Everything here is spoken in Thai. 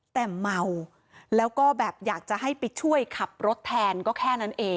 แต่เมาแล้วก็แบบอยากจะให้ไปช่วยขับรถแทนก็แค่นั้นเอง